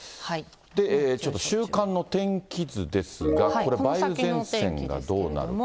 ちょっと週間の天気図ですが、これ、梅雨前線がどうなるか。